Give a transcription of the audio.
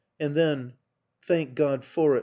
... And then (thank God for it!)